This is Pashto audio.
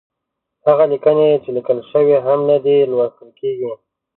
هغه ليکنې چې ليکل شوې هم نه دي، لوستل کېږي.